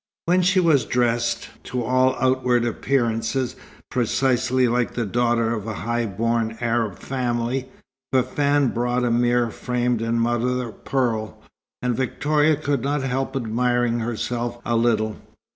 When she was dressed to all outward appearances precisely like the daughter of a high born Arab family, Fafann brought a mirror framed in mother o' pearl, and Victoria could not help admiring herself a little.